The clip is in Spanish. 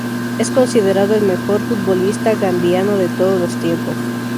Es considerado el mejor futbolista gambiano de todos los tiempos.